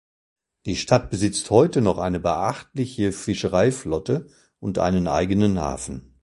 Die Stadt besitzt heute noch eine beachtliche Fischereiflotte und einen eigenen Hafen.